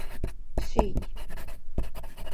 Шъий.